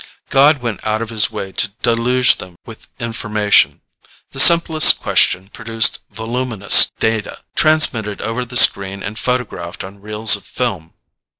God went out of his way to deluge them with information. The simplest question produced voluminous data, transmitted over the screen and photographed on reels of film.